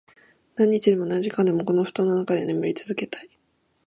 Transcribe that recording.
何日でも、何時間でも、この布団の中で眠り続けたい。